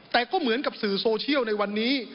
แต่ก็เหมือนกับสื่อโซเชียลในวันนี้